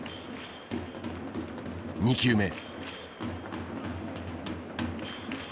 ２球目。